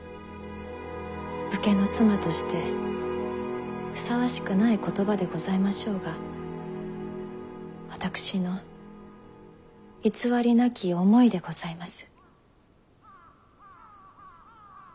武家の妻としてふさわしくない言葉でございましょうが私の偽りなき思いでございます。